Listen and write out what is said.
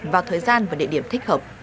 vào thời gian và địa điểm thích hợp